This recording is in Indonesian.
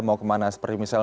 mau kemana seperti misalnya